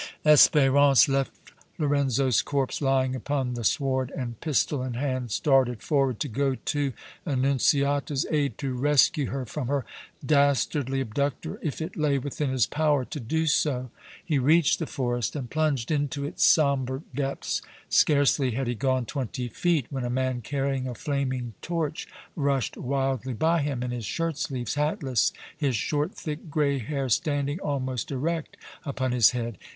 Espérance left Lorenzo's corpse lying upon the sward, and, pistol in hand, started forward to go to Annunziata's aid, to rescue her from her dastardly abductor, if it lay within his power to do so. He reached the forest and plunged into its sombre depths. Scarcely had he gone twenty feet when a man carrying a flaming torch rushed wildly by him, in his shirt sleeves, hatless, his short, thick gray hair standing almost erect upon his head.